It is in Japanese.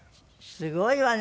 すごいわね